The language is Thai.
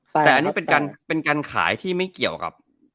แต่อันนี้เป็นการขายที่ไม่เกี่ยวกับ